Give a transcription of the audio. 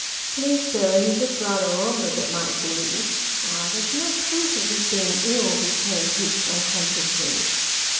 " Please, sir, he looked rather rum, as it might be." "Ah, that's no proof of his being ill," returned Hicks, uncon sciously.